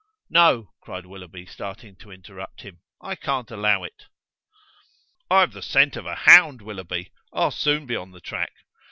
"No," cried Willoughby, starting to interrupt him, "I can't allow it." "I've the scent of a hound, Willoughby; I'll soon be on the track."